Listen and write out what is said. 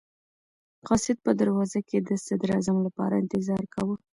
قاصد په دروازه کې د صدراعظم لپاره انتظار کاوه.